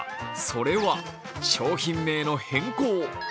それは、商品名の変更。